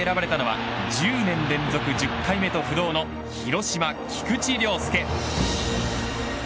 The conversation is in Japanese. セ・リーグで選ばれたのは１０年連続１０回目と不動の広島、菊池涼介。